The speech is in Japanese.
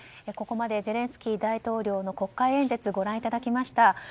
ここまでゼレンスキー大統領の国会演説をご覧いただきました。